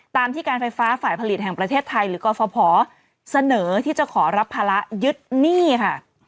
ตามที่การไฟฟ้าฝ่ายผลิตแห่งประเทศไทยหรือกรฟภเสนอที่จะขอรับภาระยึดหนี้ค่ะ